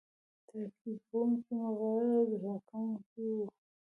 تاکید کوونکی، مغرور او دفاع کوونکی وي.